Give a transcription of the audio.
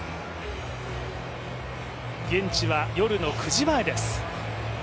現地は夜の９時前です。